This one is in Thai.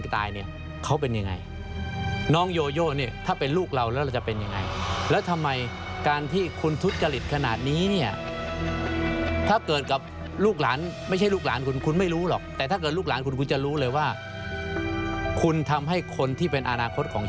แต่เป็นคนแรกที่สลิงมันหลุดออกจากขั้ว